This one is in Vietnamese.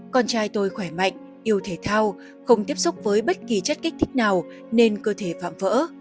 con trai tôi khỏe mạnh yêu thể thao không tiếp xúc với bất kỳ chất kích thích nào nên cơ thể phạm vỡ